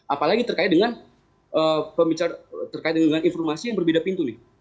apalagi terkait dengan informasi yang berbeda pintu nih